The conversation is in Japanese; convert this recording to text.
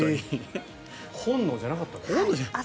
本能じゃなかった。